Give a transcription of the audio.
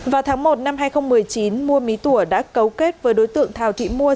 vào tháng một năm hai nghìn một mươi chín mua mí tùa đã cấu kết với đối tượng thào thị mua